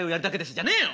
じゃねえよ！